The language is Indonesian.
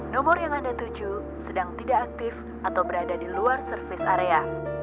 nomor yang ada tujuh sedang tidak aktif atau berada di luar servis area